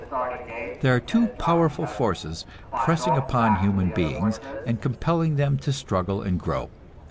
There are two powerful forces pressing upon human beings, and compelling them to struggle and grow.